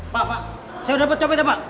pak pak saya udah dapat copetnya pak